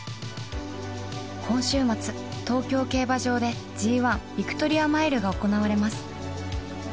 今週末東京競馬場でＧⅠヴィクトリアマイルが行われます